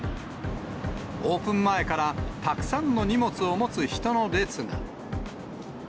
オープン前からたくさんの荷物を持つ人の列が。